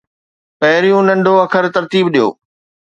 پهريون ننڍو اکر ترتيب ڏيو